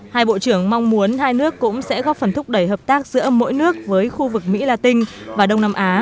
hai bộ trưởng mong muốn hai nước cũng sẽ góp phần thúc đẩy hợp tác giữa mỗi nước với khu vực mỹ la tinh và đông nam á